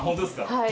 はい。